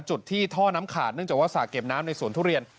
จุดที่ท่อน้ำขาดเนื่องจากว่าสระเก็บน้ำในสวนทุเรียน